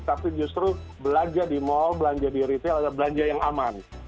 tapi justru belanja di mall belanja di retail adalah belanja yang aman